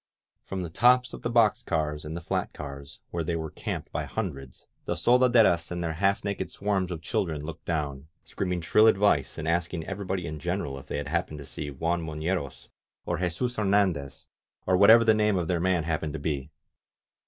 From the tops of the box cars and the flat cars, where they were camped by hundreds, the soldaderas and their half naked swarms of children looked down, screaming shrill advice and asking every body in general if they had happened to see Juan Mo fieros, or Jesus Hernandez, or whatever the name of their man happened to be.